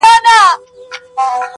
ما خو داسي نه ویل چي خان به نه سې,